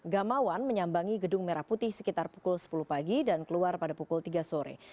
gamawan menyambangi gedung merah putih sekitar pukul sepuluh pagi dan keluar pada pukul tiga sore